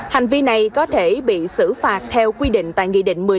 hành vi này có thể bị xử phạt theo quy định tại nghị định một mươi năm